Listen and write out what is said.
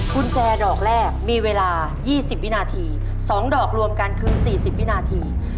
กุญแจดอกแรกมีเวลา๒๐วินาที๒ดอกรวมกันคือ๔๐วินาที